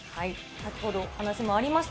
先ほど、話もありました。